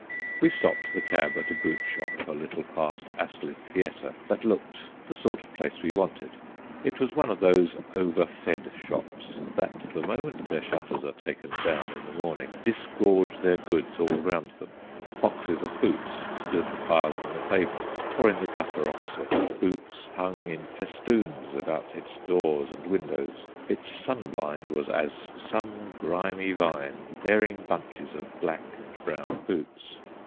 We stopped the cab at a boot shop a little past Astley's Theatre that looked the sort of place we wanted. It was one of those overfed shops that the moment their shutters are taken down in the morning disgorge their goods all round them. Boxes of boots stood piled on the pavement or in the gutter opposite. Boots hung in festoons about its doors and windows. Its sun blind was as some grimy vine, bearing bunches of black and brown boots.